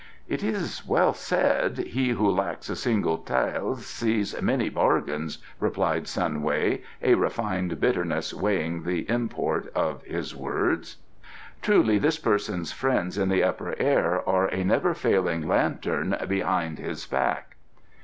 "It is well said: 'He who lacks a single tael sees many bargains,'" replied Sun Wei, a refined bitterness weighing the import of his words. "Truly this person's friends in the Upper Air are a never failing lantern behind his back."